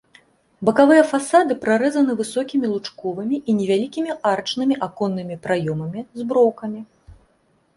Бакавыя фасады прарэзаны высокімі лучковымі і невялікімі арачнымі аконнымі праёмамі з броўкамі.